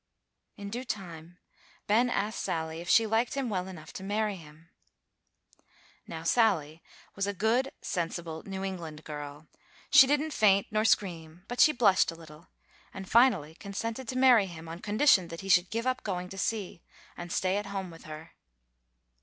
In due time Ben asked Sally if she liked him well enough to marry him. Now Sally was a good, sensible New England girl: she didn't faint nor scream, but she blushed a little, and finally consented to marry him, on condition that he should give up going to sea, and stay at home with her.